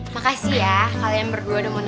makasih ya kalian berdua udah mau berdua